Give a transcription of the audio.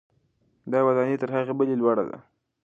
دا ودانۍ تر هغې بلې لوړه ده.